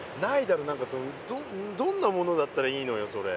何かそのどんなものだったらいいのよそれ。